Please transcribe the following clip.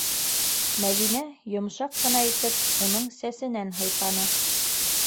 - Мәҙинә йомшаҡ ҡына итеп уның сәсенән һыйпаны.